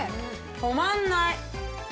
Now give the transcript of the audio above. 止まんない。